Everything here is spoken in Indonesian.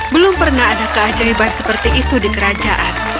belum pernah ada keajaiban seperti itu di kerajaan